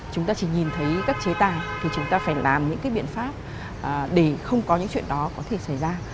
chúng ta chỉ nhìn thấy các chế tài thì chúng ta phải làm những cái biện pháp để không có những chuyện đó có thể xảy ra